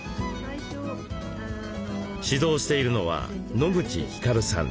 指導しているのは野口光さん。